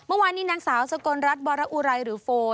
เมื่อวานนี้นางสาวสกลรัฐบรอุไรหรือโฟน